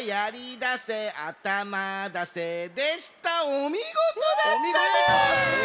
おみごとだったね。